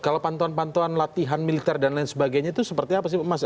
kalau pantauan pantauan latihan militer dan lain sebagainya itu seperti apa sih mas